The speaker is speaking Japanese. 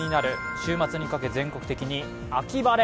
週末にかけ、全国的に秋晴れ。